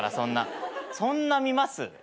そんな見ます？